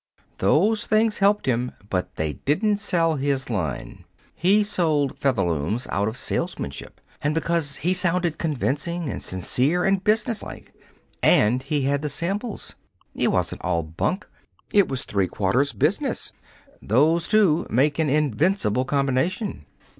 Those things helped him, but they didn't sell his line. He sold Featherlooms out of salesmanship, and because he sounded convincing and sincere and businesslike and he had the samples. It wasn't all bunk. It was three quarters business. Those two make an invincible combination."